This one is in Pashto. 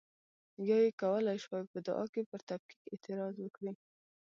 یا یې کولای شوای په دعا کې پر تفکیک اعتراض وکړي.